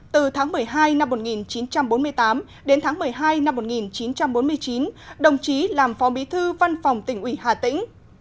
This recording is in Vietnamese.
từ tháng một mươi hai năm một nghìn chín trăm bốn mươi tám đến tháng một mươi hai năm một nghìn chín trăm bốn mươi chín đồng chí làm phó bí thư văn phòng tỉnh ủy hà tĩnh